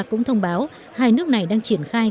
cũng thông báo hai nước này đang triển khai